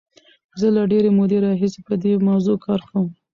زه له ډېرې مودې راهیسې په دې موضوع کار کوم.